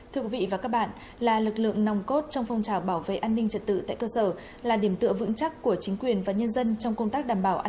thưa quý vị và các bạn là lực lượng nòng cốt trong phong trào bảo vệ an ninh trật tự tại cơ sở